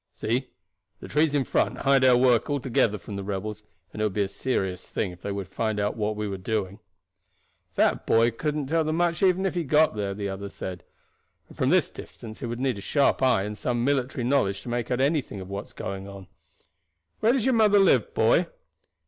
See, the trees in front hide our work altogether from the rebels, and it would be a serious thing if they were to find out what we are doing." "That boy could not tell them much even if he got there," the other said; "and from this distance it would need a sharp eye and some military knowledge to make out anything of what is going on. Where does your mother live, boy?"